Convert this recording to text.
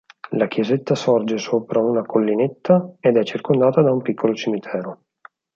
La chiesetta sorge sopra una collinetta, ed è circondata da un piccolo cimitero.